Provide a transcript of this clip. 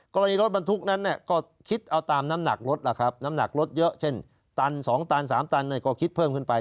กรณีรถบรรทุกนั้นก็คิดเอาตามน้ำหนักรถล่ะครับน้ำหนักรถเยอะเช่นตัน๒ตัน๓ตันก็คิดเพิ่มขึ้นไป